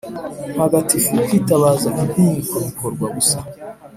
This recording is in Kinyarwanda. Ntagatifu kwitabaza inkiko bikorwa gusa